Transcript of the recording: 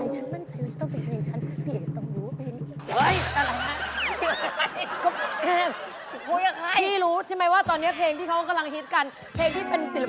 ฉันมั่นใจฉันแล้วจะต้องเปลี่ยนฉันเปลี่ยนต้องรู้